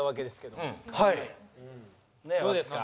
どうですか？